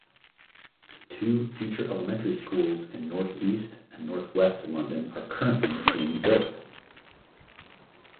Two future elementary schools in Northeast and Northwest London are currently being built.